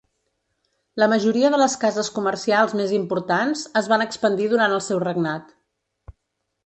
La majoria de les cases comercials més importants es van expandir durant el seu regnat.